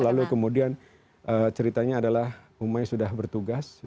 lalu kemudian ceritanya adalah umai sudah bertugas di bagian